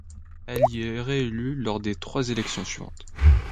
Elle y est réélue lors des trois élections suivantes.